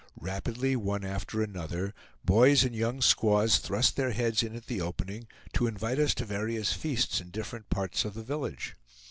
Rapidly, one after another, boys and young squaws thrust their heads in at the opening, to invite us to various feasts in different parts of the village.